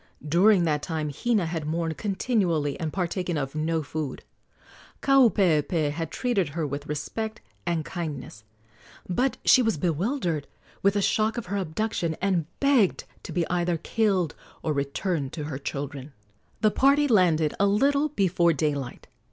During that time Hina had mourned continually and partaken of no food. Kaupeepee had treated her with respect and kindness; but she was bewildered with the shock of her abduction, and begged to be either killed or returned to her children. The party landed a little before daylight.